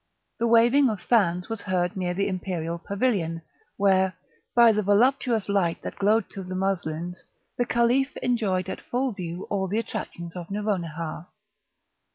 The waving of fans was heard near the imperial pavilion, where, by the voluptuous light that glowed through the muslins, the Caliph enjoyed at full view all the attractions of Nouronihar.